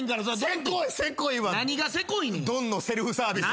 ドンのセルフサービス。